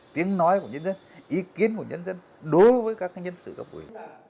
tiếng nói của nhân dân ý kiến của nhân dân đối với các nhân sự cấp ủy